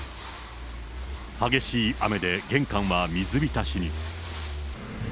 激しい雨で玄関は水浸しに。